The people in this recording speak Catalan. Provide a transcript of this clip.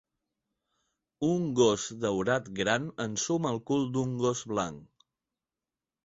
Un gos daurat gran ensuma el cul d'un gos blanc